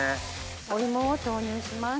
お芋を投入します。